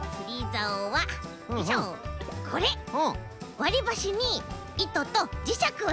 わりばしにいととじしゃくをつけたんだ。